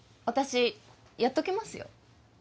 私やっときますよ。